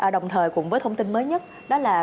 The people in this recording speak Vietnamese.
đồng thời cùng với thông tin mới nhất đó là